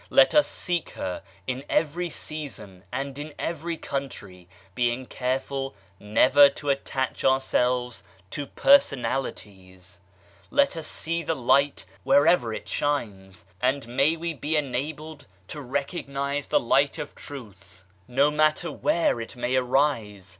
Let us seek her in every season and in every country, being careful never to attach ourselves to personalities. Let us see the Light wherever it shines, and may we be enabled to recognize the Light of Truth no matter where it may 124 THEOSOPHICAL SOCIETY arise.